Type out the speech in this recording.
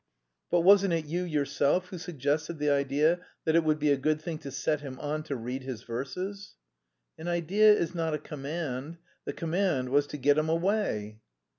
"But wasn't it you yourself who suggested the idea that it would be a good thing to set him on to read his verses?" "An idea is not a command. The command was to get him away."